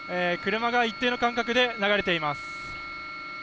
車が一定の間隔で流れています。